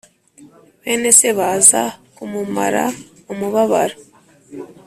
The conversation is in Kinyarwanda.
bene se baza kumumara umubabaro